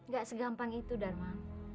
gak segampang itu darma